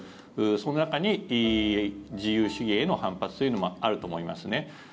その中に自由主義への反発というのもあると思いますね。